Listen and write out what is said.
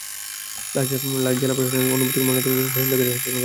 লাশ জেলা প্রশাসনের অনুমতিক্রমে ময়নাতদন্ত ছাড়াই স্বজনদের কাছে হস্তান্তর করা হয়েছে।